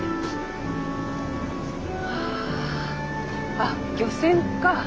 あ漁船か。